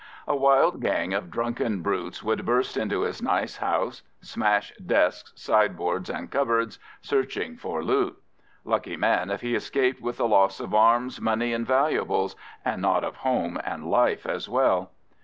A wild gang of drunken brutes would burst into his nice house, smash desks, sideboards, and cupboards, searching for loot. Lucky man if he escaped with the loss of arms, money, and valuables, and not of home and life as well.